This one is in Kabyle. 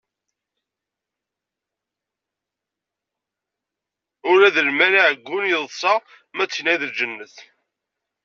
Ula d lmal aɛeggun yeḍṣa ma d tinna i d lǧennet.